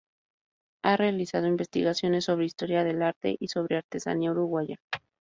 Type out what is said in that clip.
Ha realizado investigaciones sobre historia del arte y sobre artesanía uruguaya.